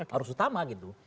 harus utama gitu